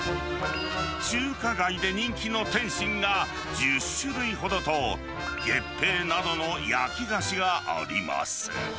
中華街で人気の点心が１０種類ほどと、月餅などの焼き菓子があります。